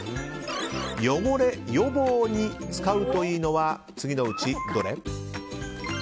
汚れ予防に使うといいのは次のうち、どれ？